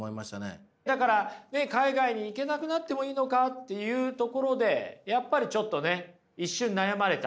だから海外に行けなくなってもいいのかっていうところでやっぱりちょっとね一瞬悩まれた。